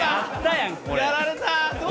やられた。